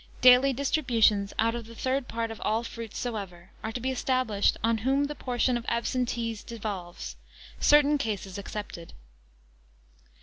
Daily distributions, out of the third part of all fruits soever, are to be established; on whom the portion of absentees devolves; certa in cases excepted.